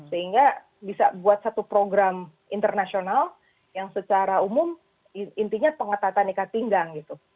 sehingga bisa buat satu program internasional yang secara umum intinya pengetatan ikat pinggang gitu